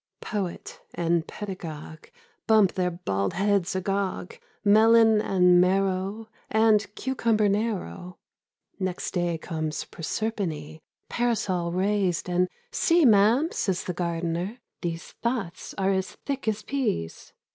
Poet and pedagogue Bump their bald heads agog — (Melon and marrow. And cucumber narrow). Next day comes Proserpine, Parasol raised, and ' See, Ma'am,' says the gardener, ' these Thoughts are as thick as peas